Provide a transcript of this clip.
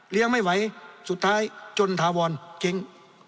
เลี้ยงไม่ไหวสุดท้ายจนถาวรจริง